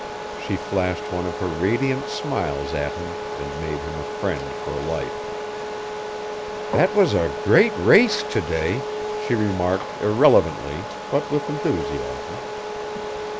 She flashed one of her radiant smiles at him and made him a friend for life. "That was a great race to day," she remarked irrelevantly, but with enthusiasm.